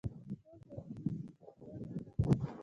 خوب د وجود د تعادل نښه ده